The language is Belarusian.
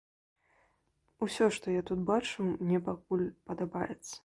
Усё, што я тут бачыў, мне пакуль падабаецца.